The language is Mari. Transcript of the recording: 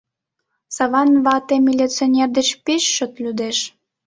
Саван вате милиционер деч пеш чот лӱдеш.